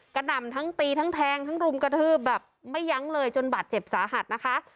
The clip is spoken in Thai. หนำทั้งตีทั้งแทงทั้งรุมกระทืบแบบไม่ยั้งเลยจนบาดเจ็บสาหัสนะคะ